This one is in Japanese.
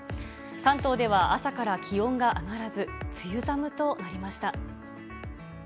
関東では朝から気温が上がらず、梅雨寒となりました。